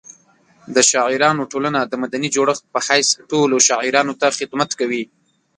د شاعرانو ټولنه د مدني جوړښت په حیث ټولو شاعرانو ته خدمت کوي.